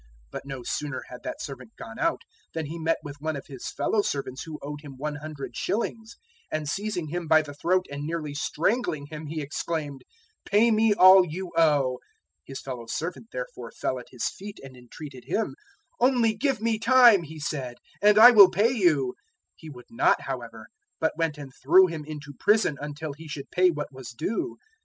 018:028 But no sooner had that servant gone out, than he met with one of his fellow servants who owed him 100 shillings; and seizing him by the throat and nearly strangling him he exclaimed, "`Pay me all you owe.' 018:029 "His fellow servant therefore fell at his feet and entreated him, "`Only give me time,' he said, `and I will pay you.' 018:030 "He would not, however, but went and threw him into prison until he should pay what was due.